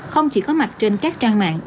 không chỉ có mặt trên các trang mạng